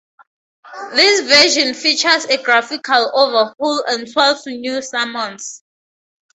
This version features a graphical overhaul and twelve new summons.